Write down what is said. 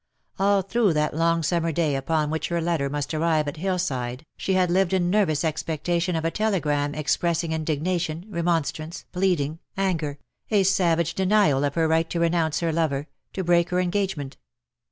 All through that long summer day upon which her letter must arrive at Hillside, she had lived in nervous expectation of a telegram expressing indignation, remonstrance, pleadicg, anger — a savage denial of her right to renounce her lover — to break her engagement.